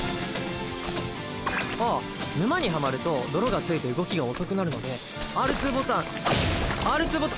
あっ沼にはまると泥がついて動きが遅くなるのでＲ２ボタ。